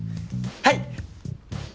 はい！